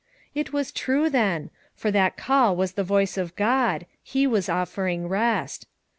It was true then; for that call was the voice of God; he was offering rest.